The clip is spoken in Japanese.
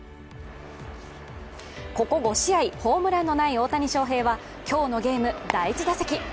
ここ５試合ホームランのない大谷翔平は今日のゲーム、第１打席。